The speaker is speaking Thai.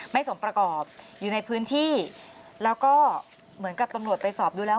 สมประกอบอยู่ในพื้นที่แล้วก็เหมือนกับตำรวจไปสอบดูแล้ว